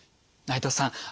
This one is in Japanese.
内藤さん